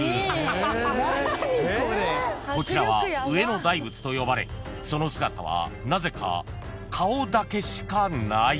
［こちらは上野大仏と呼ばれその姿はなぜか顔だけしかない］